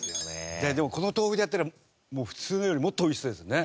でもこの豆腐でやったら普通のよりもっと美味しそうですね。